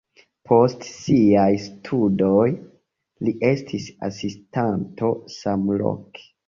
Post siaj studoj li estis asistanto samloke.